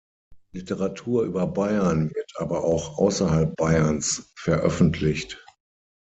Literatur über Bayern wird aber auch außerhalb Bayerns veröffentlicht.